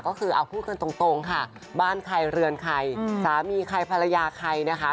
ก็คือเอาพูดกันตรงค่ะบ้านใครเรือนใครสามีใครภรรยาใครนะคะ